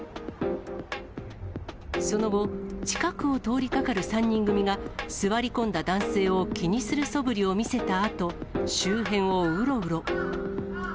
その後、近くを通りかかる３人組が、座り込んだ男性を気にするそぶりを見せたあと、周辺をうろうろ。